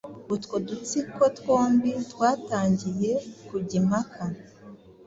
Utwo dutsiko twombi twatangiye kujya impaka